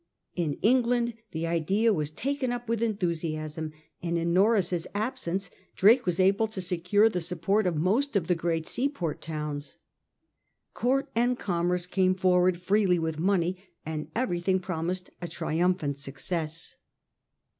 In England the idea was taken up with enthusiasm, and in Norreys's absence Drake was able to secure the support of most of the great seaport towns. Court and commerce came forward freely with money, and everything promised a triumph ant success.